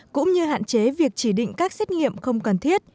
cũng như hạn chế việc chỉ định các xét nghiệm không cần thiết